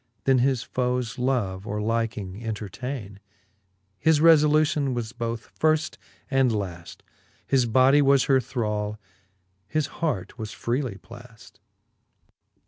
Then his foes love or liking entertainer His refblution was both firft and laft, His bodie was her thrall, his hart was freely plafl